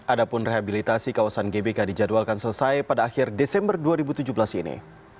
adapun rehabilitasi kawasan gbk dijadwalkan selesai pada akhir desember dua ribu tujuh belas ini